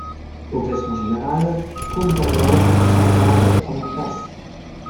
Au classement général, Contador s'empare de la première place.